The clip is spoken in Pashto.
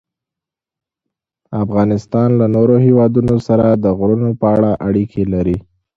افغانستان له نورو هېوادونو سره د غرونو په اړه اړیکې لري.